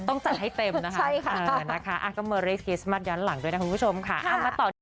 ต้องจัดให้เต็มนะคะนะคะอักเมอร์เรศกิสมาตย้อนหลังด้วยนะคุณผู้ชมค่ะเอามาต่อ